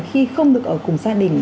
khi không được ở cùng gia đình